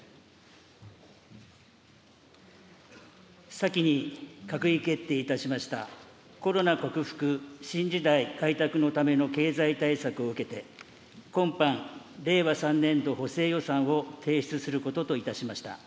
先に閣議決定いたしました、コロナ克服・・新時代開拓のための経済対策を受けて、今般、令和３年度補正予算を提出することといたしました。